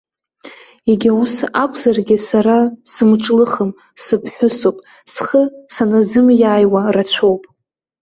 Егьа ус акәзаргьы, сара сымҿлыхым, сыԥҳәысуп, схы саназымиааиуа рацәоуп.